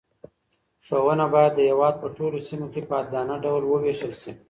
ښوونه باید د هېواد په ټولو سیمو کې په عادلانه ډول وویشل شي.